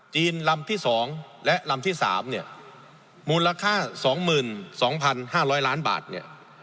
จีนลำที่สองและลำที่สามเนี่ยมูลค่าสองหมื่นสองพันห้าร้อยล้านบาทเนี่ย